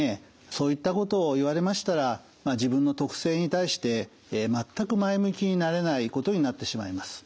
そういったことを言われましたら自分の特性に対して全く前向きになれないことになってしまいます。